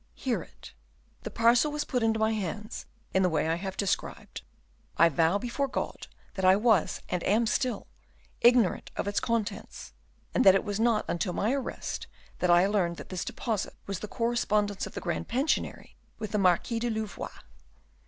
Hear it. The parcel was put into my hands in the way I have described; I vow before God that I was, and am still, ignorant of its contents, and that it was not until my arrest that I learned that this deposit was the correspondence of the Grand Pensionary with the Marquis de Louvois.